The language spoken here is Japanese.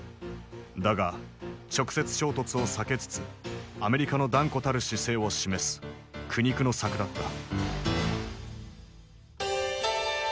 だが直接衝突を避けつつアメリカの断固たる姿勢を示す苦肉の策だった。